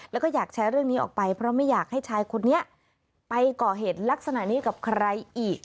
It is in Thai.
แล้วก็อยากแชร์เรื่องนี้ออกไปเพราะไม่อยากให้ชายคนนี้ไปก่อเหตุลักษณะนี้กับใครอีก